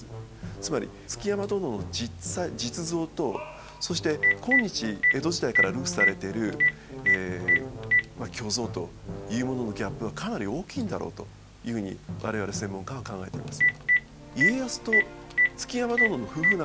つまり築山殿の実像とそして今日江戸時代から流布されてるまあ虚像というもののギャップはかなり大きいんだろうというふうに我々専門家は考えています。